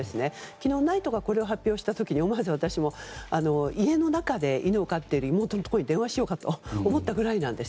昨日、ＮＩＴＥがこれを発表した時に家の中で犬を飼っている妹のところに電話しようと思ったくらいです。